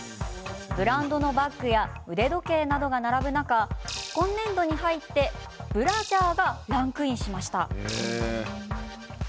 ブランドのバッグや腕時計などが並ぶ中、今年度に入ってブラジャーがランクインしました。